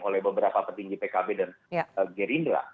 oleh beberapa petinggi pkb dan gerindra